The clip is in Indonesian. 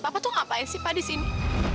papa tuh ngapain sih pa disini